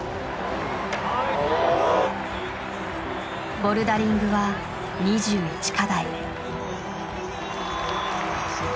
ボルダリングは２１課題。